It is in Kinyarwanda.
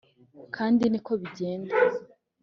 kandi niko bigenda.